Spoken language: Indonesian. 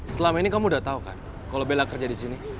selama ini kamu udah tau kan kalo bella kerja disini